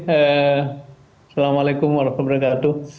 assalamualaikum warahmatullahi wabarakatuh